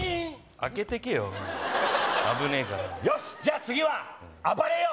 開けていけよ危ねえからよしじゃあ次は暴れよう！